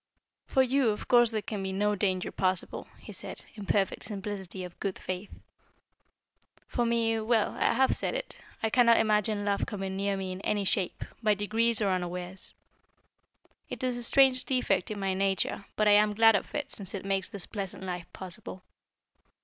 "For you, of course there can be no danger possible," he said, in perfect simplicity of good faith. "For me well, I have said it. I cannot imagine love coming near me in any shape, by degrees or unawares. It is a strange defect in my nature, but I am glad of it since it makes this pleasant life possible."